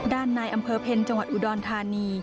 ในอำเภอเพ็ญจังหวัดอุดรธานี